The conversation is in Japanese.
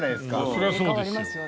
それはそうですよ。